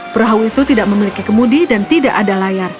perahu itu tidak memiliki kemudi dan tidak ada layar